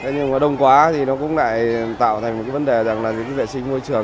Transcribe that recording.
nhưng mà đông quá thì nó cũng lại tạo thành một cái vấn đề rằng là những vệ sinh môi trường